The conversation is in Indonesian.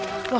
ada apa bu